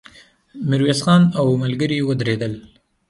ميرويس خان او ملګري يې ودرېدل.